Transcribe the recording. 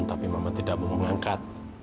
tapi mama tidak mau mengangkat